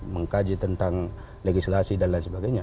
mengkaji tentang legislasi dan lain sebagainya